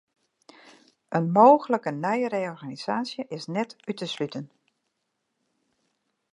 In mooglike nije reorganisaasje is net út te sluten.